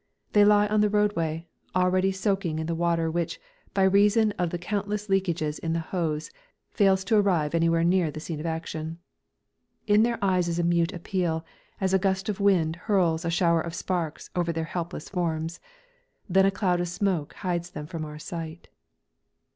They lie on the roadway, already soaking in the water which, by reason of the countless leakages in the hose, fails to arrive anywhere near the scene of action. In their eyes is a mute appeal, as a gust of wind hurls a shower of sparks over their helpless forms. Then a cloud of smoke hides them from our sight.